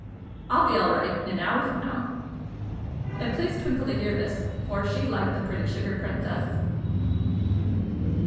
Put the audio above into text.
I'll be all right in an hour from now." It pleased Twinkle to hear this, for she liked the pretty sugar princess.